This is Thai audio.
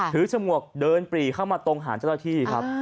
ถือชมวกเดินปลีเข้ามาตรงหารเจ้าต้นที่ครับ